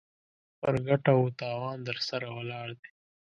پر ګټه و تاوان درسره ولاړ دی.